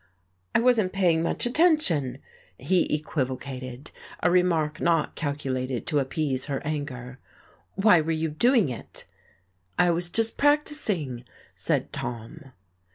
"I wasn't paying much attention," he equivocated, a remark not calculated to appease her anger. "Why were you doing it?" "I was just practising," said Tom.